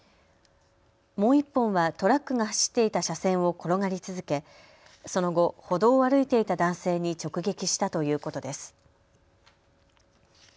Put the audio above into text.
もう１本はトラックが走っていた車線を転がり続け、その後、歩道を歩いていた男性に直撃したということです。